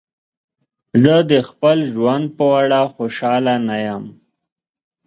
زه د خپل ژوند په اړه خوشحاله نه یم.